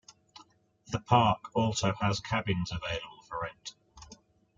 The park also has cabins available for rent.